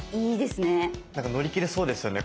なんか乗り切れそうですよね